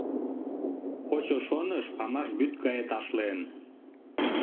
Кочо шоныш памаш вӱд гае ташлен.